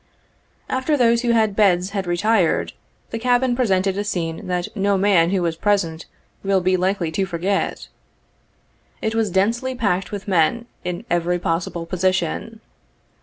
After those who had beds had retired, the cabin presented a scene that no man who was present will be likely to forget. It was densely packed with men, in every possible position.